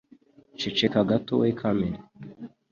ceceka gato we Carmen".